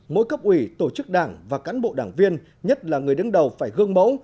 mỗi cấp ủy tổ chức đảng và cán bộ đảng viên nhất là người đứng đầu phải gương mẫu